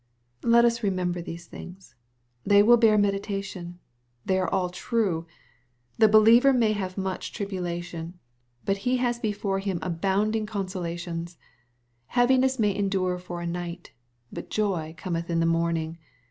Let us remember these things. They will bear medi« tation. They are all true. The beUever may have much tribulation, but ho has before him abounding MATTHEW, CHAP. XXV. 335 consolations. Heaviness may endure for a nighty but joy cometli in the morning.